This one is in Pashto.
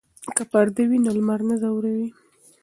که پرده وي نو لمر نه ځوروي.